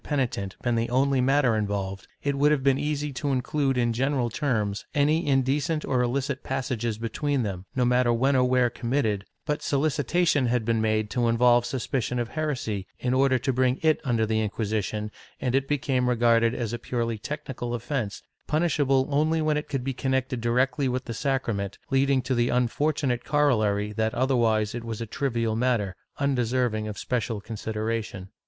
VI] LEGISLATION OF GREGORY XV IQl penitent been the only matter involved, it would have been easy to include in general terms any indecent or illicit passages between them, no matter when or where committed, but solicitation had been made to involve suspicion of heres}', in order to bring it under the Inc^uisition, and it became regarded as a purely technical offence, punishable only when it could be connected directly with the sacrament, leading to the unfortmiate corollary that otherwise it was a trivial matter, undeserving of special consideration.